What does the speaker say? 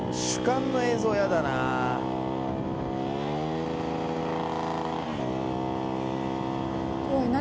主観の映像やだなー。